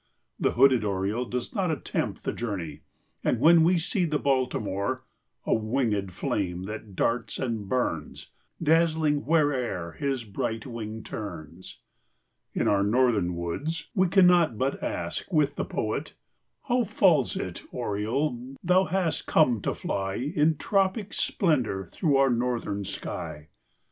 The Hooded Oriole does not attempt the journey and when we see the Baltimore, "A winged flame that darts and burns, Dazzling where'er his bright wing turns," in our northern woods we cannot but ask, with the poet, "How falls it, Oriole, thou hast come to fly In tropic splendor through our northern sky?